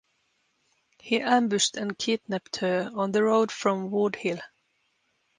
He ambushed and kidnapped her on the road from Woodhill.